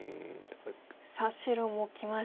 さあ白もきましたよ。